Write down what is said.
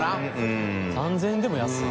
Δ鵝３０００円でも安い。